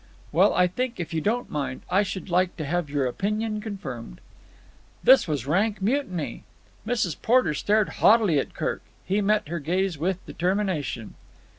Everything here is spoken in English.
"Well, I think, if you don't mind, I should like to have your opinion confirmed." This was rank mutiny. Mrs. Porter stared haughtily at Kirk. He met her gaze with determination.